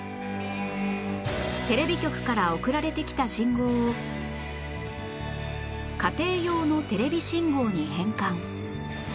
テレビ局から送られてきた信号を家庭用のテレビ信号に変換